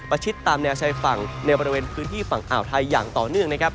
ชิดตามแนวชายฝั่งในบริเวณพื้นที่ฝั่งอ่าวไทยอย่างต่อเนื่องนะครับ